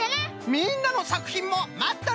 みんなのさくひんもまっとるぞい！